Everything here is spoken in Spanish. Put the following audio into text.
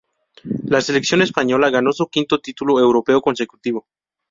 La selección española ganó su quinto título europeo consecutivo.